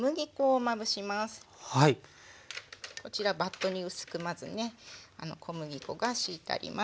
こちらバットに薄くまずね小麦粉が敷いてあります。